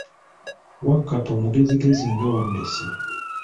Wakkapa omugezigezi nga wammese.